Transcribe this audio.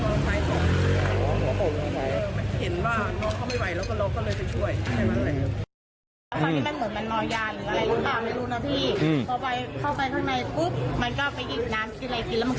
แล้วมันก็วิ่งออกมาเขาวิ่งออกมาเสร็จแล้วเขาวิ่งเข้าไปอีก